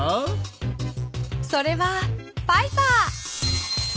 それはパイパー。